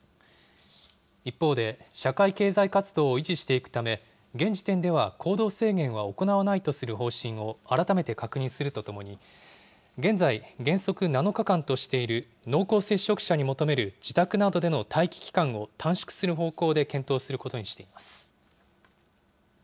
一方で、社会経済活動を維持していくため、現時点では行動制限は行わないとする方針を改めて確認するとともに、現在、原則７日間としている濃厚接触者に求める自宅などでの待機期間を短縮する方向で検討することにしています。